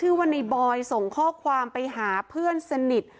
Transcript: ปืนมันลั่นไปใส่แฟนสาวเขาก็ยังยันกับเราเหมือนเดิมแบบนี้นะคะ